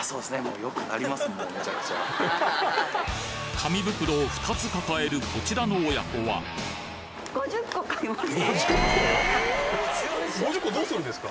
紙袋を２つ抱えるこちらの親子は５０個どうするんですか？